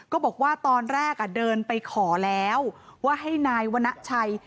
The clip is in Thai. ก็บอกว่าตอนแรกเดินไปขอแล้วว่าให้นายวณชัย